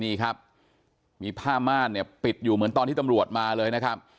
นี่ครับมีผ้าม่านเนี่ยปิดอยู่เหมือนตอนที่ตำรวจมาเลยนะครับ